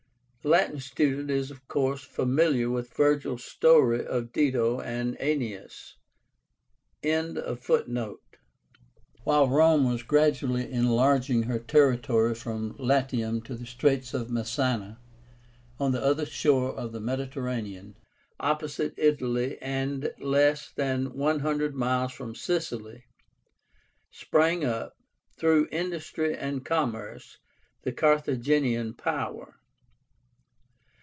The Latin student is of course familiar with Virgil's story of Dido and Aenéas.) While Rome was gradually enlarging her territory from Latium to the Straits of Messána, on the other shore of the Mediterranean, opposite Italy and less than one hundred miles from Sicily, sprang up, through industry and commerce, the Carthaginian power.